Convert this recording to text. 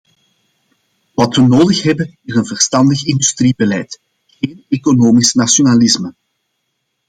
Wat we nodig hebben is een verstandig industriebeleid, geen economisch nationalisme.